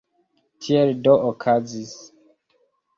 Tiel do okazis.